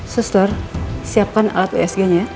sister siapkan alat usg nya ya